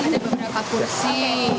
ada beberapa kursi